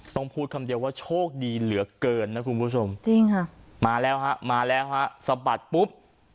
ต้องพูดคำเดียวว่าโชคดีเหลือเกินนะคุณผู้ชมจริงค่ะมาแล้วฮะมาแล้วฮะสะบัดปุ๊บ